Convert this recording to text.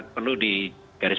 perlu di garis